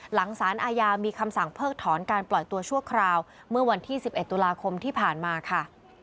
หลังสารอาญามีคำสั่งเพิกถอนการปล่อยตัวชั่วคราวเมื่อวันที่๑๑ตุลาคมที่ผ่านมาค่ะ